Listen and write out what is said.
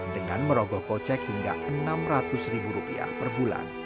dengan merogoh kocek hingga rp enam ratus